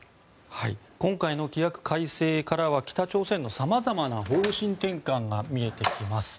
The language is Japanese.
今回の規約改正からは北朝鮮のさまざまな方針転換が見えてきます。